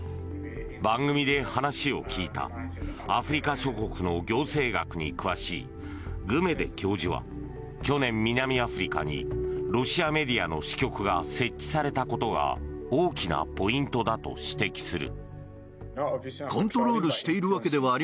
番組で話を聞いたアフリカ諸国の行政学に詳しいグメデ教授は去年、南アフリカにロシアメディアの支局が設置されたことが大きなポイントだと指摘する。